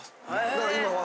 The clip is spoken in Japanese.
だから今は。